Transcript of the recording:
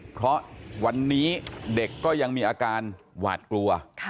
เพราะวันนี้เด็กก็ยังมีอาการหวาดกลัว